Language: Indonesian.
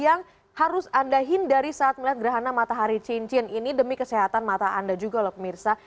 yang harus anda hindari saat melihat gerhana matahari cincin ini demi kesehatan mata anda juga loh pemirsa